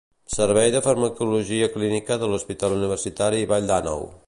Servei de Farmacologia Clínica de l'Hospital Universitari Vall d'Àneu.